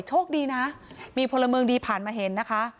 โชคดีนะมีพลเมืองดีผ่านมาเห็นนะคะ